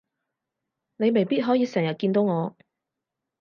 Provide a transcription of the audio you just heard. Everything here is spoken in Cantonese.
你未必可以成日見到我